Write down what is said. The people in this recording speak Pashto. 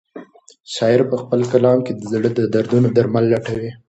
شاعر په خپل کلام کې د زړه د دردونو درمل لټوي.